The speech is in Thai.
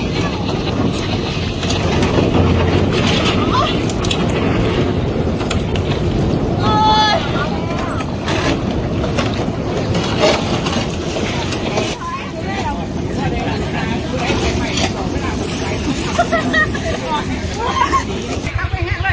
สวัสดีครับ